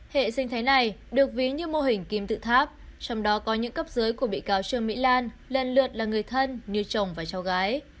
hệ sinh thái này được ví như mô hình kim tự tháp trong đó có những cấp dưới của bị cáo trương mỹ lan lần lượt là người thân như chồng và cháu gái